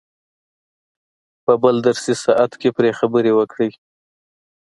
په بل درسي ساعت کې پرې خبرې وکړئ.